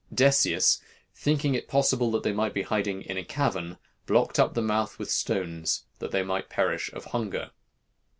"Decius, thinking it possible that they might be hiding in a cavern, blocked up the mouth with stones, that they might perish of hunger.